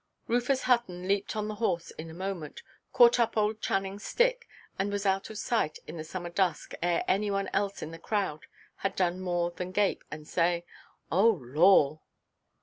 Rufus Hutton leaped on the horse in a moment, caught up old Channingʼs stick, and was out of sight in the summer dusk ere any one else in the crowd had done more than gape, and say, "Oh Lor!"